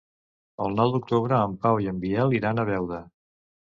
El nou d'octubre en Pau i en Biel iran a Beuda.